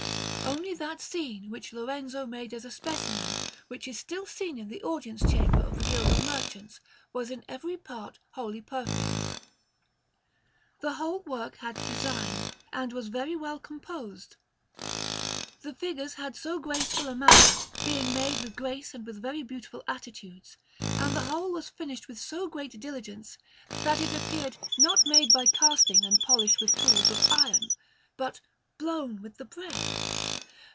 Only that scene which Lorenzo made as a specimen, which is still seen in the Audience Chamber of the Guild of Merchants, was in every part wholly perfect. The whole work had design, and was very well composed. The figures had so graceful a manner, being made with grace and with very beautiful attitudes, and the whole was finished with so great diligence, that it appeared not made by casting and polished with tools of iron, but blown with the breath.